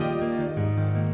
aku mau ke rumah